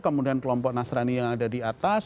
kemudian kelompok nasrani yang ada di atas